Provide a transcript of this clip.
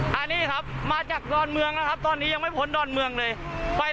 เอาไหมเอาไหมอะเอาไหมตอนไหนครับตอนไหน